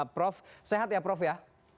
prof sehat ya prof ya